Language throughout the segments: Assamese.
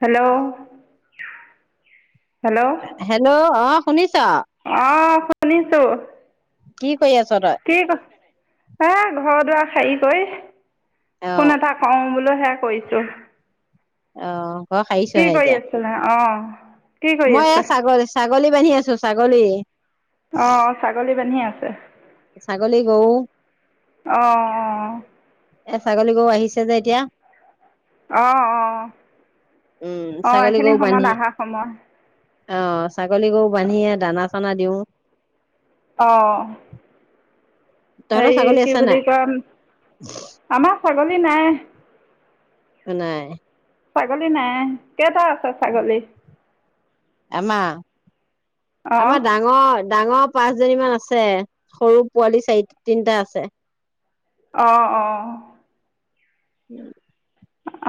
হেল্ল' হেল্ল' হেল্ল' অ শুনিছ শুনিছো কি কৰি আছ তই কি ক হে ঘৰ দুৱাৰ হেৰী কৰি অ ফোন এটা কওঁ বোলো হে কৈছো অ ঘৰ সাৰিছহে এতিয়া আছিলা অঁ কি কৰি মই এ আছে ছাগলী ছাগলী বান্ধি আছো ছাগলী অ অ ছাগলী বান্ধি আছ আছে ছাগলী গৰু আহ আহ এ ছাগলী গৰু আহিছে যে এতিয়া। অঁ অঁ উম অঁ ছাগলী এইখিনি গৰু বান্ধি সময়ত অহা সময় অ ছাগলী গৰু বান্ধিয়ে দানা চানা দিও অঁ তহঁতৰ এই ছাগলী কি আছে বুলি নাই কম আমাৰ চা গলি নাই নাই ছাগলী নাই কেইটা আছে ছাগলী আমা অঁ আমাৰ ডাঙৰ ডাঙৰ পাঁচজনী মান আছে সৰু পোৱালি চাৰি তিনিটা আছে আহ অ উম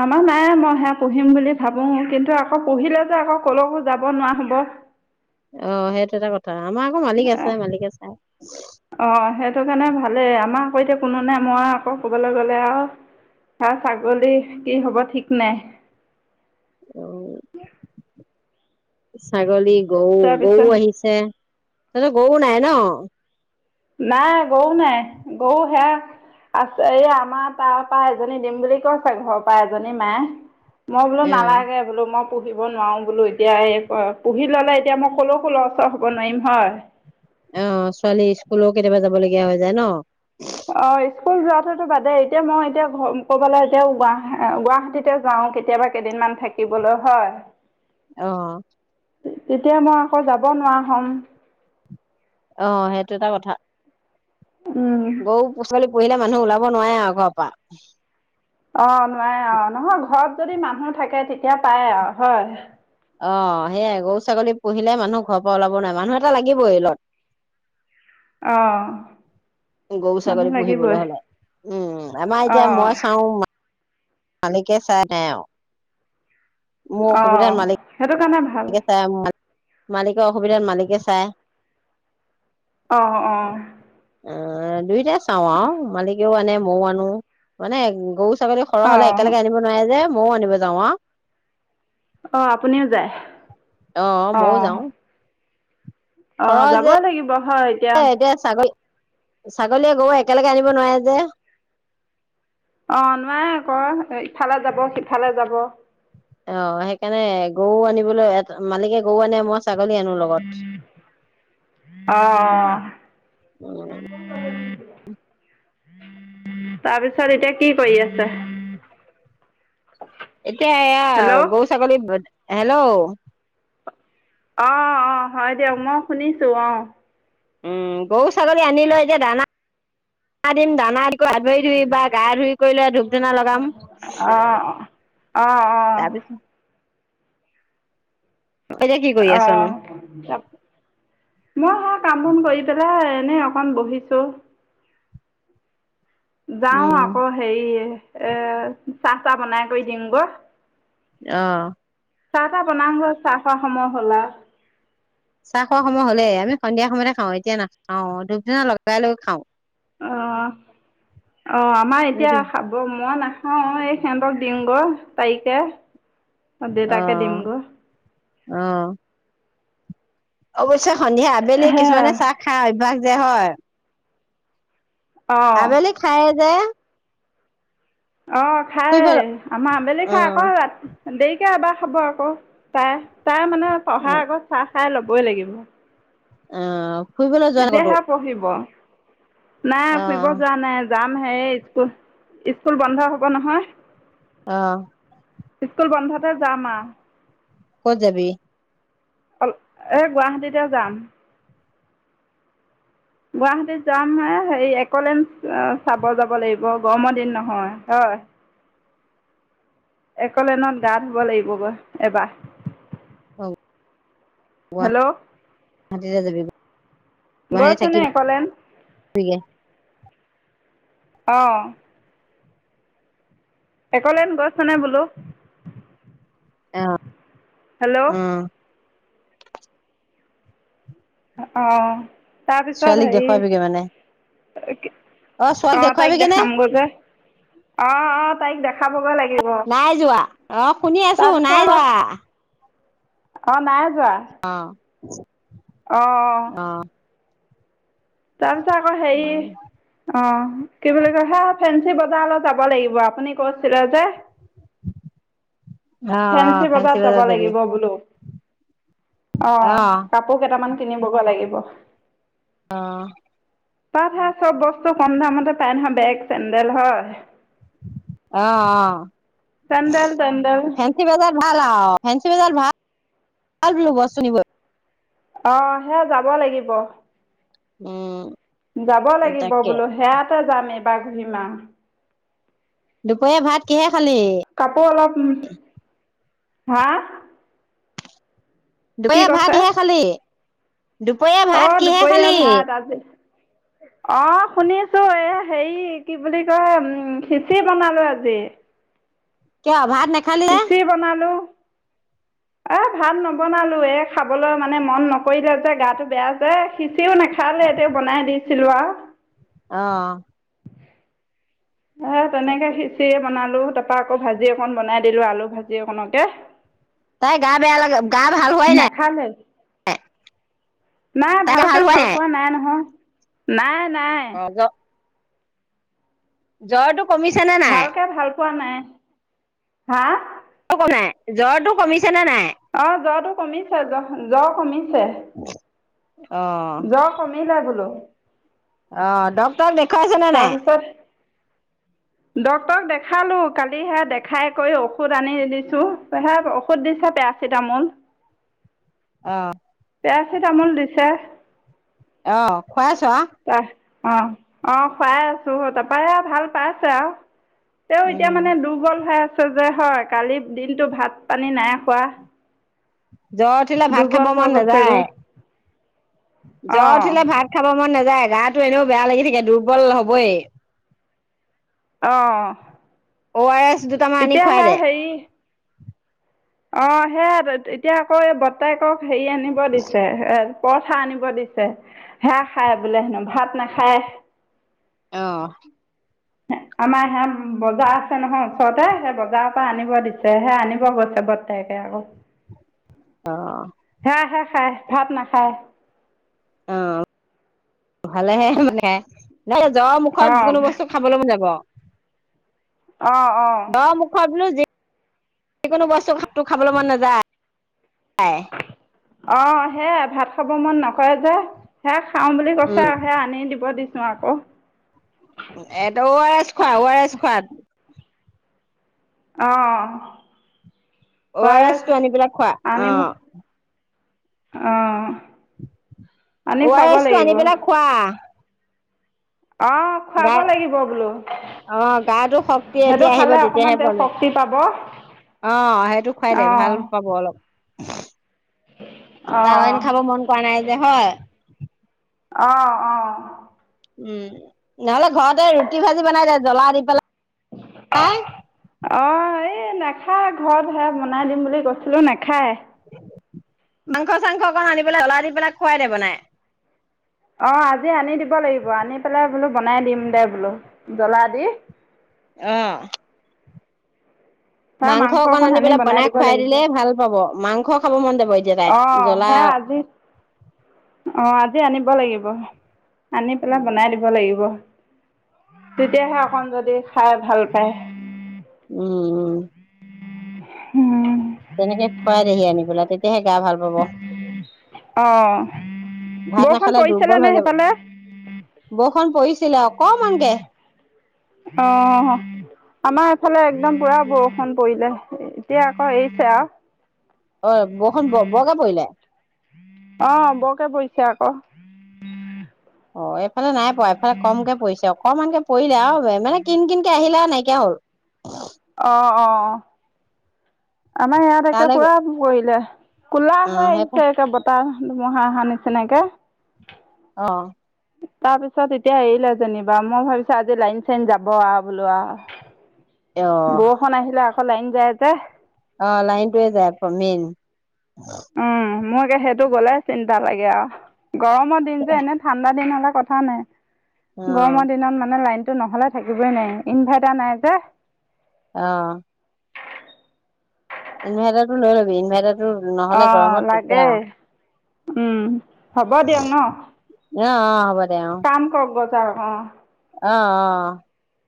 আমাৰ নাই মই সেয়া পুহিম বুলি ভাবো কিন্তু আকৌ পঢ়িলে যে আকৌ কলওঁ যাব নোৱাৰা হব অ সেইটো এটা কথা আমাৰ আকৌ মালিক আছে মালিকে চাই অ সেইটো কাৰণে ভালেই আমাৰ আকৌ এতিয়া কোনো নাই মই আকৌ ক'বলৈ গ'লে আৰু হাঁহ ছাগলী কি হ'ব ঠিক নাই অঁ ছাগলী গৰু তাৰপিছত গৰু আহিছে তহঁতৰ গৰু নাই ন নাই গৰু নাই গৰু হে আছে এই আমাৰ তাৰ পৰা এজনী দিম বুলি কৈছে ঘৰৰ পৰা এজনী মায়ে মই বোলো অ নালাগে বোলো মই পুহিব নোৱাৰো বোলো এতিয়া এই পুহি ললে এতিয়া মই কলৈ কো লৰচৰ হব নোৱাৰিম হয় অ ছোৱালী স্কুলও কেতিয়াবা যাবলগীয়া হৈ যায় ন অ স্কুল যোৱাটোতো বাদেই এতিয়া মই এতিয়া কবালে এতিয়া গুৱাহা গুৱাহাটীতে যাওঁ কেতিয়াবা কেইদিনমান থাকিবলৈ হয় আহ তেতিয়া মই আকৌ যাব নোৱাৰা হ'ম অ সেইটো এটা কথা উম, গৰু পুচালি পুহিলে মানুহ ওলাব নোৱাৰে আৰু ঘৰৰ পৰা অ নোৱাৰে অ নহয় ঘৰত যদি মানুহ থাকে তেতিয়া পাৰে আও হয় অ সেয়াই গৰু ছাগলী পুহিলে মানুহ ঘৰৰ পৰা ওলাব নোৱাৰে মানুহ এটা লাগিবই লগত আহ গৰু ছাগলী পুহিবলৈ হলে উম আমাৰ এতিয়া অ' মই চাওঁ মালিকে চাই আৰু নাই আও অ সেইটো কাৰণে ভাল কে চাই মালিক মালিকৰ অসুবিধাত মালিকে চায় আহ অ অ দুইটাই চাওঁ আৰু মালিকেও আনে মইও আনো মানে গৰু ছাগলী সৰহ হলে অ' একেলগে আনিব নোৱাৰে যে মইয়ো আনিব যাওঁ আও অ আপুনিও যায় আহ মইও যাও আহ সৰহ যে যাবই লাগিব হয় এতিয়া ছাগলীয়ে গৰুয়ে একেলগে আনিব নোৱাৰে যে অ নোৱাৰে আকৌ ইফালে যাব সিফালে যাব অ সেইকাৰণে গৰু আনিবলৈ এটা মালিকে গৰু আনে মই ছাগলী আনো লগত অ উ তাৰপিছত এতিয়া কি কৰি আছে এতিয়া হেল্ল' গৌ ছাগলীত হেল্ল' আহ অ হয় দিয়ক মই শুনিছো আহ উম গৰু ছাগলী আনিলৈ এতিয়া দানা দিম দানা দি হাত বাৰি ধুই বা গা ধুই কৰিলে ধূপ ধনা লগাম অঁ অঁ অঁ তাৰপিছত এতিয়া কি কৰি আছনো আহ ম কাম বন কৰি পেলাই এনে অকন বহিছো যাও উম আকৌ হেৰিয়ে এ চাহ চাহ বনাই কৰি দিম গ আহ চাহ তাহ বনা হল চাহতাহ সময় হল চাহ খোৱা সময় হলেই আমি সন্ধিয়া সময়তে খাওঁ এতিয়া নাখাও দুপদিনা লগাই ল খাওঁ অ অ আমাৰ এতিয়া সেইটো খাব মই নাই অ এই সিহঁতক দিওঁগল তাইকে দেউতাকে দিম গ' আহ অৱশ্যে সন্ধিয়া আবেলি সেয়াই কিছুমানে চাহ খাই অভ্যাস যে হয় আবেলি অঁ খাই যায় অ ফুৰিব খাই আমা আবেলি অ খাই ক দেৰিকে এবাৰ খাব আকৌ তাই তাই মানে পঢ়াৰ আগত চাহ খাই ল'বই লাগিব অ তেতিয়াহে পঢ়িব নাই অ ফুৰিব যোৱা নাই যাম হে স্কুল স্কুল বন্ধ হ'ব নহয় অ স্কুল বন্ধতে যাম আও ক'ত যাবি অ এ গুৱাহাটীতে যাম গুৱাহাটীত যামহে হেৰি একলেণ্ড চাব যাব লাগিব গৰমৰ দিন নহয় হয় একলেনত গা ধুব লাগিব গৈ এবাৰ অ হেল্ল' তহতিয়ে যাবি বৈছনে কলেন ে অঁ একলেন গইছনে বোলো অ হেল্ল' অ আহ ছোৱালীক দেখুৱাবিগে মানে ে অ ছোৱালী দেখুৱাবিগে নে অ অ তাইক দেখাবগৈ লাগিব নাই যোৱা অ শুনি আছো নাই যোৱা অ নাই অ উ আহ তাৰ পিছত আকৌ হেৰি অ কি বুলি কয় হেই ফেঞ্চি বজাৰ যাব লাগিব আপুনি কৈছিলে যে অ অ ফেঞ্চি বজাত যাব বজাৰ যাবি লাগিব বোলো অ কাপোৰ কেইটামান কিনিবগৈ লাগিব অ তাত চব বস্তু কম দামতে পাই নহয় বেগ চেন্ডেল হক আহ চেণ্ডেল তেণ্ডেল অ ফেঞ্চি বজাৰ ভাল ফেঞ্চি বজাৰ ভাল ভাল বোলো বস্তু কিনিব আহ সেয়া যাব লাগিব উম যাব লাগিব তাকে বোলো সেয়াতে যাম এই বাৰ দুপৰীয়া ভাত কিহে খালি কাপোৰ অলপ হা', কি কৈছে [unintelligible] দুপৰীয়া ভাত কিহে খালি? অ', শুনিছো এই', হেৰি কি বুলি কয়, উম', খিচিৰি বনালো আজি। কিয় ভাত, নেখালি যে খিচিৰি বনালোঁ‌। এ', ভাত নবনালো এ', খাবলৈ মানে মন নকৰিলে যে', গাতো বেয়া যে', খিচি তেওঁ‌ নাখালে, তেওঁ বনাই দি ছিলোৱা, আহ', এ', তেনেকে খিচিৰি বনালোঁ। আলু তাৰপা আকৌ ভাজি অকণ বনাই দিলোঁ‌, আলু ভাজি অকনকে তাই গা-বেয়া লাগে। গা-ভাল হোৱাই নাই। নাখালে নাই', তাই গা ভালকে হোৱাই ভাল পোৱা নাই নহয়। নাই, নাই, জ্বৰতো, কমিছে নে নাই, ভালকে ভাল পোৱা নাই হা', নাই জ্বৰটো কমিছে নে', নাই? অ', জ্বৰটো কমিছে, জ্বৰ কমিছে। অ জ্বৰ কমিলে বোলো। অ', ডক্টৰ দেখ, তাৰপিছত, ডক্টৰক দেখালোঁ‌। কালিহে দেখাই কৰি ঔষধ আনি দিছো, তেহে ঔষধ দিছে পেৰাচিটামল। অহ', পেৰাচিটামল দিছে। অহ', খুৱাই আছো অহ', অ', -অ', খুৱাই আছো তাৰপৰা ভাল পাইছে আৰু। তেওঁ এতিয়া উম মানে দুৰ্বল হৈ আছে। এইযে, হয় কালি দিনটো ভাত-পানী নাই খোৱা, জ্বৰ উঠিলে ভাত খাব দুৰ্বল হৈ মন নাযায়, গৈছেগৈ জ্বৰ অ' উঠিলে ভাত খাব মন নাযায়। গাটো এনেও বেয়া লাগি থাকে দুৰ্বল হবয়ে। অহ', অআৰেচ, [inaudible] এতিয়া আহা হেৰি অ' সেয়া এতিয়া আকৌ এই বৰ্তাই ক হেৰি আনিব দিছে। পৰঠা আনিব দিছে। সেয়া খায় বোলে হেনো ভাত নাখায়। আহ আমাৰ হে বজাৰ আছে নহয়, ওচৰতে সেই বজাৰৰ পৰা আনিব দিছে সে আনিব গৈছে বৰ্তাই আকৌ। অ খাই খাই খাই ভাত নাখায় অ ভালেহে মানে ন জ্বৰ মুখত অ' যিকোনো বস্তু খাবলৈ মন যাব অ' অ' দ মুখত বোলো যি যিকোনো বস্তু ভাতটো খাবলৈ মন নাযায় অ হেই এ ভাত খাব মন নকৰে যে হে খাওঁ বুলি কৈছে উম। আৰু সে আনি দিব দিছো চাও আক অঁ আৰ এছ খোৱা অঁ আৰ এছ খোৱা আহ অ আৰ এছ টো আনি পেলাই খোৱা অ আহ অ আৰ এছ টো আনি পেলাই খোৱা অঁ গা খুৱাব লাগিব বোলো অ গাটো শক্তি সেইটো এতিয়া আহিব খালে অকণমান তেতিয়াহে তেওঁ বলে শক্তি পাব অ সেইটো খুৱাই দে ভাল অঁ পাব অলপ তাই অঁ অইন খাব মন কৰা নাই যে হয় আহ অ উম নহলে ঘৰতে ৰুটি ভাজি বনাই দে জ্বলা দি পেলাই অঁ এই নাখায় ঘৰত সে বনাই দিম বুলি কৈছিলোঁ নাখায় মাংস চাংস অকণ আনি পেলাই লাই দি পেলাই খোৱাই দে বনাই অ আজি আনি দিব লাগিব আনি পেলাই বোলো বনাই দিম দে বোলো জ্বলা দি আহ মাংস অকণ আনি পেলাই বনাই খুৱাই দিলে ভাল পাব মাংস খাব মন যাব এতিয়া তাই অ জ্বলা সেইয়া আজি অ আনিব লাগিব আনি পেলাই বনাই উম দিব লাগিব তেতিয়াহে অকন যদি খাই ভাল পায় উম উম উম তেনেকে খুৱাই দেহি আনি পেলাই তেতিয়া তেয়াহে গা ভাল পাব অঁ ভাত বৰষুণ নাখালে পৰিছিলে দুৰ্বল নে হৈ যাব সেইফালে বৰষুণ পৰিছিলে অকমানকে অ আমাৰ এইফালে একদম পুৰা বৰষুণ পৰিলে এতিয়া আকৌ এৰিছে আও অ বৰষন বৰগে পৰিলে অ বৰকে পৰিছে আকৌ অ এইফালে নাই পোৱা এইফালে কমকে পৰিছে অকণমানকে পৰিলে আও মানে কিন কিনকে আহিলে নাইকিয়া হ'ল অ'-অ'-অ'। আমাৰ ইয়াত একে তালৈ পুৰা গল পৰিলে কোলা অ হয় সেই অ আইছে একেবাৰে বতাহ মহা অহা নিচিনাকে। তাৰপিছত এতিয়া এৰিলে যেনিবা, মই ভাবিছো আজি লাইন-চাইন যাব আও বোলো আও। অ বৰষুণ আহিলে আ ফলাইন যায় যে। অ' লাইনটোয়ে যায় [unintelligible] মেইন উম মোৰে সেইটো গ'লে চিন্তা লাগে আও। গৰমৰ দিন যে এনে ঠাণ্ডা দিন হ'লে কথা নাই। অ গৰমৰ দিনত মানে লাইন টো নহ'লে থাকিবই নোৱাৰি, ইনভাৰ্টাৰ নাই যে। অ' ইনভাৰ্টাৰটো লৈ ল'বি, ইনভাৰ্টাৰ অ' লাগে, উম। হ'ব দিয়ক ন? অ' অ' হ'ব। দে অ কাম কৰকগৈ। [unintelligible] অ' অ' অ'।